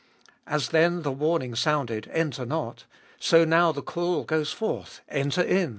As then the warning sounded : Enter not ! so now the call goes forth : Enter in